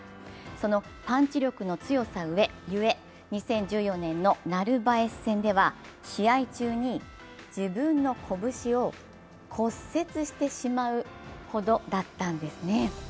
そのパンチ力の強さゆえ、２０１４年のナルバエス戦では試合中に自分の拳を骨折してしまうほどだったんですね。